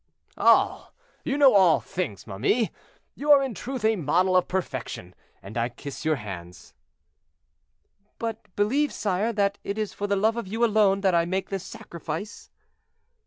"All! you know all things, ma mie; you are in truth a model of perfection, and I kiss your hands." "But believe, sire, that it is for the love of you alone that I make this sacrifice."